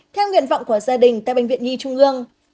theo nguyện vọng của gia đình tại bệnh viện nhi trung ương